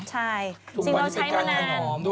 ใช่จริงเราใช้มานาน